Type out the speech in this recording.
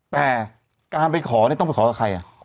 แต่การไปขอเนี่ยต้องไปขอกับใคร